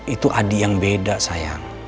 itu adik yang beda sayang